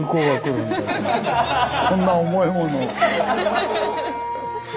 こんな重いもの。